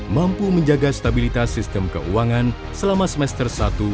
mampu menjaga stabilitas sistem keuangan selama semester satu dua ribu dua puluh